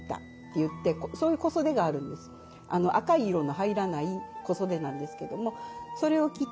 紅い色の入らない小袖なんですけどもそれを着て。